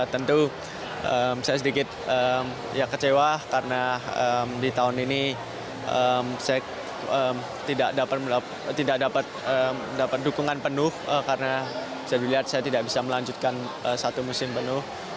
tentu saya sedikit kecewa karena di tahun ini saya tidak dapat dukungan penuh karena bisa dilihat saya tidak bisa melanjutkan satu musim penuh